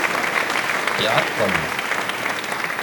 Iɛeṭṭel.